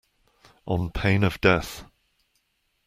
On pain of death.